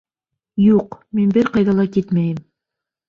Юҡ, мин бер ҡайҙа ла китмәйем!